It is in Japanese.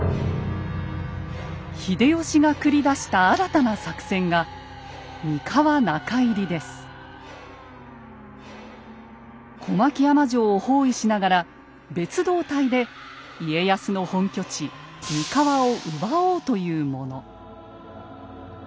秀吉が繰り出した新たな作戦が小牧山城を包囲しながら別動隊で家康の本拠地・三河を奪おうというもの。